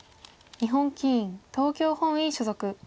日本棋院東京本院所属。